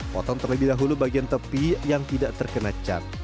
potong terlebih dahulu bagian tepi yang tidak terkena cat